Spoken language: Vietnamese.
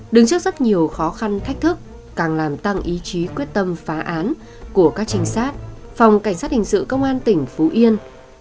đứng trước rất nhiều khó khăn thách thức càng làm tăng ý chí quyết tâm phá án của các trinh sát phòng cảnh sát hình sự công an tỉnh phú yên